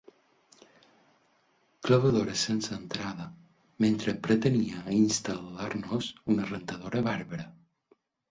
Clavadora sense entrada mentre pretenia instal·lar-nos una rentadora bàrbara.